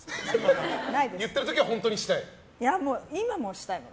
言ってる時は本当にしたい？